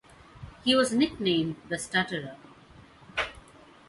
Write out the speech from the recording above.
He was nicknamed "the Stutterer".